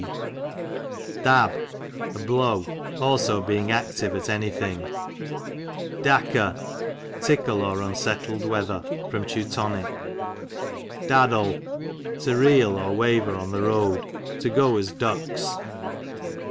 D Dab, a blow ; aho being active at any thing. Dacker, tickle, or unsettled wea ther. Teu. D addle, to reel, or waver on the road, to go as ducks.